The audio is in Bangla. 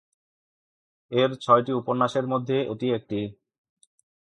এ-র ছয়টি উপন্যাসের মধ্যে এটি একটি।